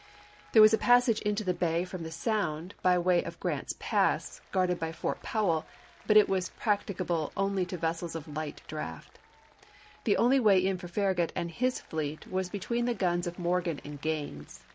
There was a passage into the bay from the sound, by way of Grant's Pass, guarded by Fort Powell, but it was practicable only to vessels of light draft. The only way in for Farragut and his fleet was between the guns of Morgan and Gaines.